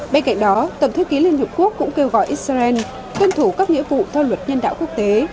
bên cạnh đó tổng thư ký liên hợp quốc cũng kêu gọi israel tuân thủ các nghĩa vụ theo luật nhân đạo quốc tế